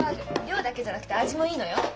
量だけじゃなくて味もいいのよ。